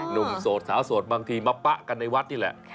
โสดสาวโสดบางทีมาปะกันในวัดนี่แหละ